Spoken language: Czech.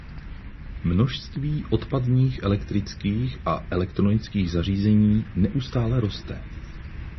Množství odpadních elektrických a elektronických zařízení neustále roste.